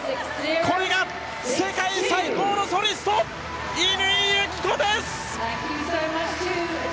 これが、世界最高のソリスト乾友紀子です！